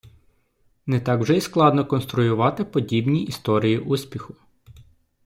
Не так вже й складно конструювати подібні історії успіху.